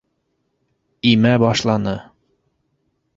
Имә башланы.